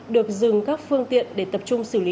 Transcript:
được dừng các phương tiện để tập trung xử lý